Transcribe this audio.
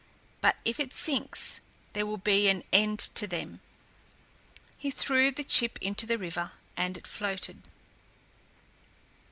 But if it sinks, there will be an end to them." He threw the chip into the river, and it floated.